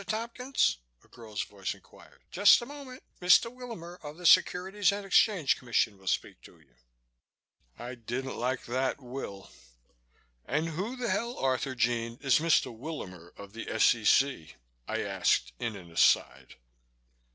Tompkins?" A girl's voice inquired. "Just a moment, Mr. Willamer of the Securities and Exchange Commission will speak to you." I didn't like that "will." "And who the hell, Arthurjean, is Mr. Willamer of the S.E.C.?" I asked in an aside.